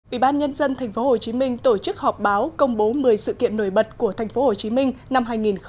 ủy ban nhân dân tp hcm tổ chức họp báo công bố một mươi sự kiện nổi bật của tp hcm năm hai nghìn một mươi chín